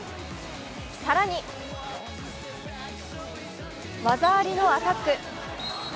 更に技ありのアタック。